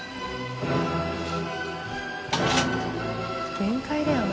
限界だよな。